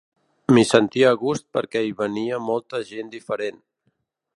M'hi sentia a gust perquè hi venia molta gent diferent.